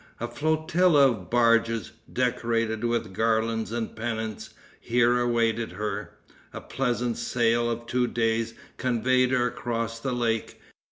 A flotilla of barges, decorated with garlands and pennants, here awaited her. A pleasant sail of two days conveyed her across the lake.